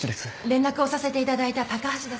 連絡をさせていただいた高橋です。